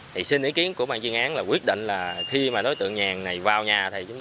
thì xin ý kiến của bà chuyên án là quyết định là khi mà đối tượng nhan này vào nhà